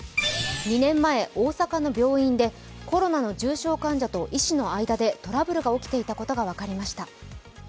２年前、大阪の病院でコロナの重症患者と医師の間でトラブルが起きていたことが分かりました。